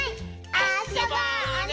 あそぼうね！